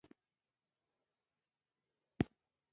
له بارانه لاړو، تر ناوې لاندې ودرېدو.